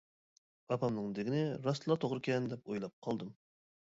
ئاپامنىڭ دېگىنى راستلا توغرىكەن دەپ ئويلاپ قالدىم.